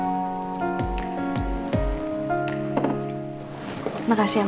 udah udah nanti aku kenyang